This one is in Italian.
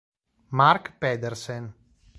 Marc Pedersen